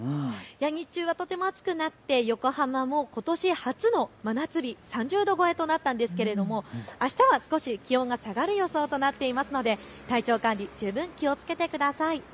日中はとても暑くなって横浜もことし初の真夏日、３０度超えとなったんですがあしたは少し気温が下がる予想となっているので体調管理十分気をつけてください。